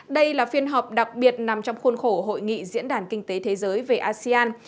đây là phiên họp đặc biệt nằm trong khuôn khổ hội nghị diễn đàn kinh tế thế giới về asean